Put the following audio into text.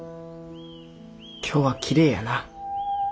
今日はきれいやなあ。